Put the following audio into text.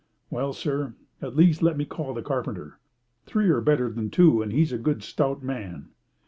"Well, sir, at least let me call the carpenter. Three are better than two, and he is a good stout man."